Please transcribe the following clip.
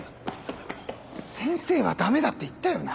⁉先生はダメだって言ったよな。